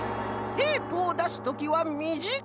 テープをだすときはみじかめに！